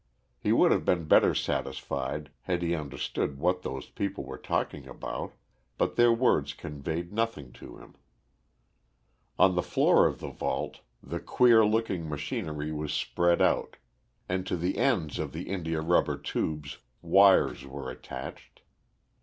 He would have been better satisfied had he understood what those people were talking about, but their words conveyed nothing to him. On the floor of the vault the queer looking machinery was spread out, and to the ends of the india rubber tubes wires were attached.